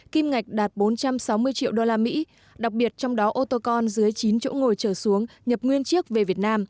kim ngạch đạt bốn trăm sáu mươi triệu usd đặc biệt trong đó ô tô con dưới chín chỗ ngồi trở xuống nhập nguyên chiếc về việt nam